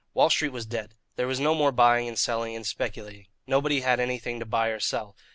Wall Street was dead. There was no more buying and selling and speculating. Nobody had anything to buy or sell.